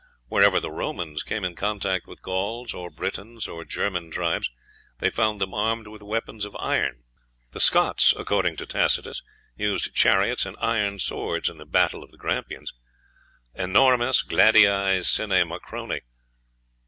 Wherever the Romans came in contact with Gauls, or Britons, or German tribes, they found them armed with weapons of iron. The Scots, according to Tacitus, used chariots and iron swords in the battle of the Grampians "enormes gladii sine mucrone."